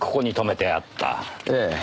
ええ。